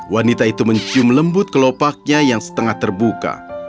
wanita itu mencium lembut kelopaknya yang setengah terbuka